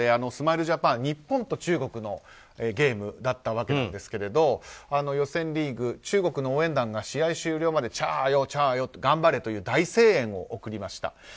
スマイルジャパン日本と中国のゲームだったわけですが予選リーグ中国の応援団が試合終了までジャーヨー、頑張れという大声援を送りました。